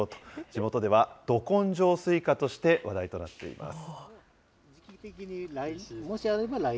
地元ではど根性スイカとして話題となっています。